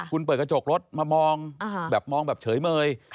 คุณเปิดกระจกรถมามองแบบมองแบบเฉยเมย